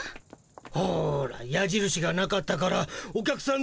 ほらやじるしがなかったからお客さん